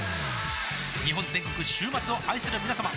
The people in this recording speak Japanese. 日本全国週末を愛するみなさま